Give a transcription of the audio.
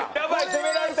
攻められた！